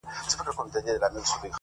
• د چینار سر ته یې ورسیږي غاړه,